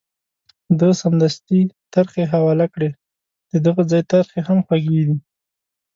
ده سمدستي ترخې حواله کړې، ددغه ځای ترخې هم خوږې دي.